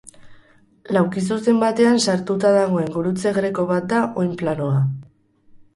Laukizuzen batean sartuta dagoen gurutze greko bat da oinplanoa.